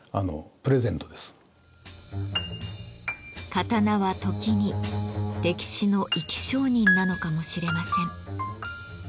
刀は時に歴史の生き証人なのかもしれません。